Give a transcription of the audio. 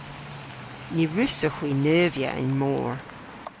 Ny wrussowgh hwi neuvya y'n mor.